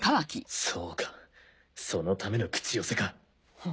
そうかそのための口寄せか。